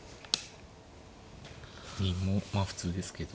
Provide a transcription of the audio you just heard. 銀もまあ普通ですけど。